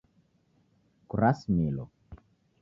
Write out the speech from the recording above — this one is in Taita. Kurasimilo